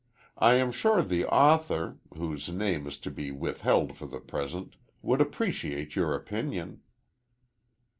I am sure the author, whose name is to be withheld for the present, would appreciate your opinion."